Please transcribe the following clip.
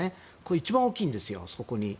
一番大きいんです、そこに。